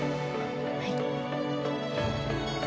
はい。